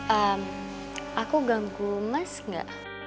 ehm aku ganggu mas gak